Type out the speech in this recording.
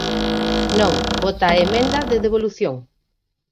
Non, vota a emenda de devolución.